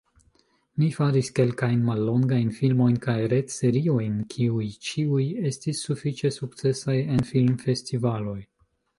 Mi faris kelkajn mallongajn filmojn kaj retseriojn, kiuj ĉiuj estis sufiĉe sukcesaj en filmfestivaloj.